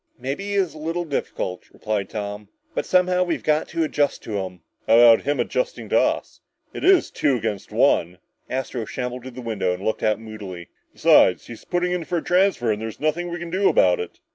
"Maybe he is a little difficult," replied Tom, "but somehow, we've got to adjust to him!" "How about him adjusting to us? It's two against one!" Astro shambled to the window and looked out moodily. "Besides, he's putting in for a transfer and there's nothing we can do about it!"